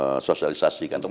untuk sosialisasikan dirinya